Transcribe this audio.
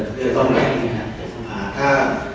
เพื่อต้องแจ้งนะครับ